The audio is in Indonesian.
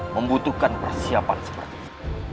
membutuhkan persiapan seperti ini